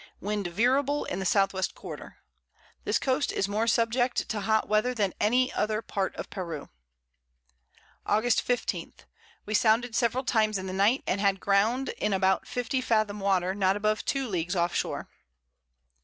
Wind veerable in the S. W. Quarter. This Coast is more subject to hot Weather than any other Part of Peru. August 15. We sounded several Times in the Night, and had Ground in about 50 Fathom Water, not above two Leagues off Shore.